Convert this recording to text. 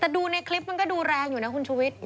แต่ดูในคลิปมันก็ดูแรงอยู่นะคุณชุวิต